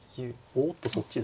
おっとそっちですか。